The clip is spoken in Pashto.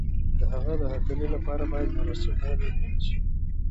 د هغه د هرکلي لپاره بايد مراسم ونه نيول شي.